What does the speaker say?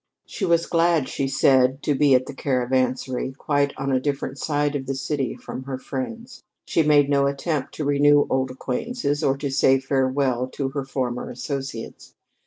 She was glad, she said, to be at the Caravansary, quite on a different side of the city from her friends. She made no attempt to renew old acquaintances or to say farewell to her former associates.